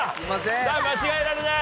さあ間違えられない。